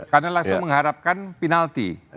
karena langsung mengharapkan penalti